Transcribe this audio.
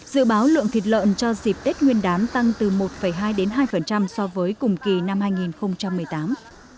dự báo lượng thịt lợn cho dịp tết nguyên đán tăng từ một hai so với cùng kỳ năm hai nghìn một mươi tám